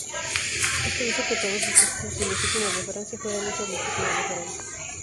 Esto hizo que todos estos hijos ilegítimos de Francia, fueran hijos legítimos de Francia.